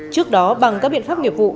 trước đó bằng các biện pháp nghiệp vụ